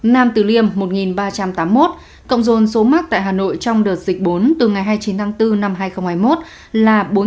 nam từ liêm một ba trăm tám mươi một cộng dồn số mắc tại hà nội trong đợt dịch bốn từ ngày hai mươi chín tháng bốn năm hai nghìn hai mươi một là bốn mươi